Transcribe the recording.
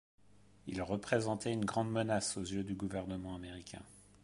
Ils représentaient une grande menace aux yeux du gouvernement américain.